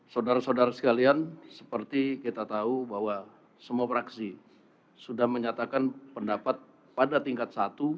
saudara saudara sekalian seperti kita tahu bahwa semua fraksi sudah menyatakan pendapat pada tingkat satu